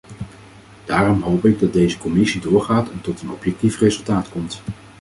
Daarom hoop ik dat deze commissie doorgaat en tot een objectief resultaat komt.